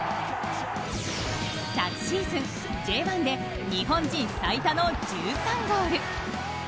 昨シーズンＪ１で日本人最多の１３ゴール。